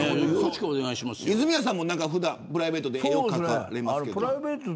泉谷さんもプライベートで絵を描いてますけど。